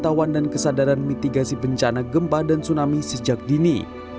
dan juga pengetahuan dan kesadaran mitigasi bencana gempa dan tsunami sejak dini